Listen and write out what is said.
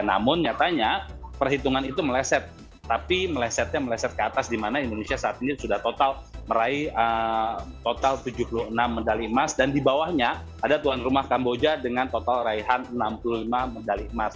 namun nyatanya perhitungan itu meleset tapi melesetnya meleset ke atas di mana indonesia saat ini sudah total meraih total tujuh puluh enam medali emas dan di bawahnya ada tuan rumah kamboja dengan total raihan enam puluh lima medali emas